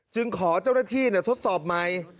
จึงขอเจ้าหน้าที่เนี่ยทดสอบใหม่